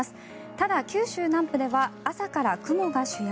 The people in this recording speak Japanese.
ただ、九州南部では朝から雲が主役。